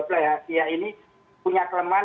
pihak ini punya kelemahan